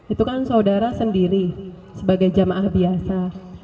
itu kan saudara sendiri sebagai jamaah biasa